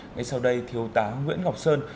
ngay sau đây thiếu tá nguyễn ngọc sơn